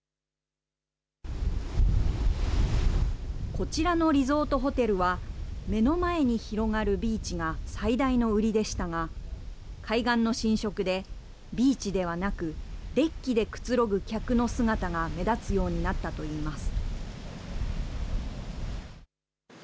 こちらのリゾートホテルは、目の前に広がるビーチが最大の売りでしたが、海岸の浸食で、ビーチではなく、デッキでくつろぐ客の姿が目立つようになったといいます。